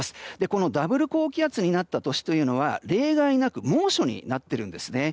このダブル高気圧になった年は例外なく猛暑になっているんですね。